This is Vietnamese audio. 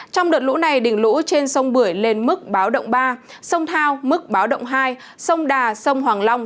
trong đợt lũ này đỉnh lũ trên sông bưởi lên mức báo động ba sông thao mức báo động hai sông đà sông hoàng long